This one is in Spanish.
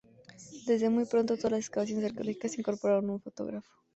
Desde muy pronto, todas las excavaciones arqueológicas incorporaron un fotógrafo.